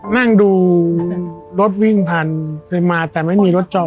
นั่งดูรถวิ่งผ่านไปมาแต่ไม่มีรถจอด